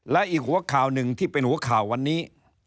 และอีกหัวข่าวหนึ่งที่เป็นหัวข่าววันนี้